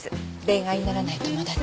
恋愛にならない友達。